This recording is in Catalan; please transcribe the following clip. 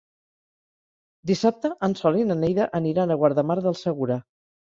Dissabte en Sol i na Neida aniran a Guardamar del Segura.